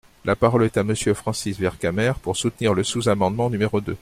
La parole est à Monsieur Francis Vercamer, pour soutenir le sous-amendement numéro deux.